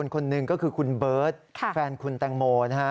คนหนึ่งก็คือคุณเบิร์ตแฟนคุณแตงโมนะฮะ